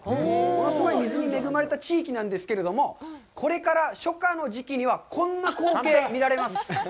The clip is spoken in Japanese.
物すごい水に恵まれた地域なんですけれども、これから初夏の時期にはこんな光景、見られます。